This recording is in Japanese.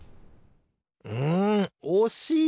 うんおしい！